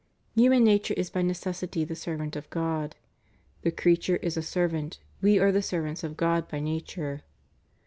* Human nature is by necessity the servant of God: "The creature is a servant, we are the servants of God by nature."